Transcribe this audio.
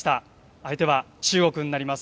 相手は中国になります。